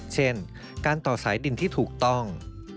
เช่นการต่อสายดินที่ถูกต้อง